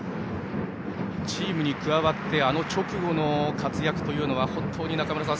チームに加わって直後の活躍というのは本当に中村さん